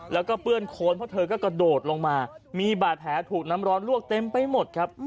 แล้วก็เปื้อนโคนเพราะเธอก็กระโดดลงมามีบาดแผลถูกน้ำร้อนลวกเต็มไปหมดครับ